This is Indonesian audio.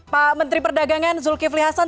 pak menteri perdagangan zulkifli hasan